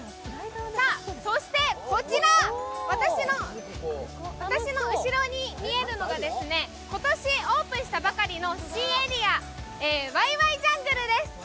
そして、こちら私の後ろに見えるのが、今年オープンしたばかりの新エリア、わいわいジャングルです。